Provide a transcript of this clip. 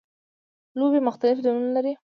لوبیې مختلف ډولونه لري